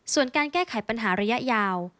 ส่วนการแก้ไขปัญหาระยะยาว